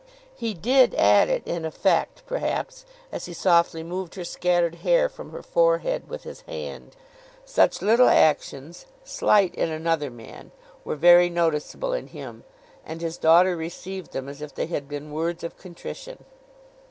He did add it in effect, perhaps, as he softly moved her scattered hair from her forehead with his hand. Such little actions, slight in another man, were very noticeable in him; and his daughter received them as if they had been words of contrition.